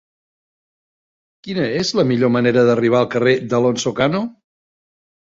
Quina és la millor manera d'arribar al carrer d'Alonso Cano?